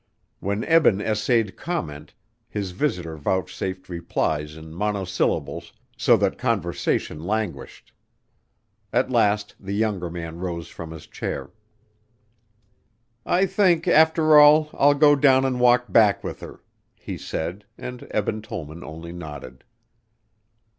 When Eben essayed comment his visitor vouchsafed replies in monosyllables so that conversation languished. At last the younger man rose from his chair. "I think, after all, I'll go down and walk back with her," he said and Eben Tollman only nodded.